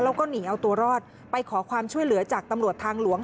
แล้วก็หนีเอาตัวรอดไปขอความช่วยเหลือจากตำรวจทางหลวง